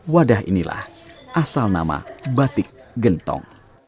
wadah inilah asal nama batik gentong